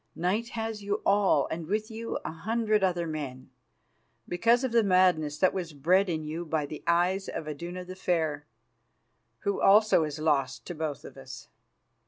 Night has you all, and with you a hundred other men, because of the madness that was bred in you by the eyes of Iduna the Fair, who also is lost to both of us.